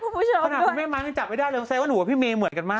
คุณผู้ชมด้วยแม่มันจับไม่ได้เลยแสดงว่าหนูกับพี่เมเหมือนกันมาก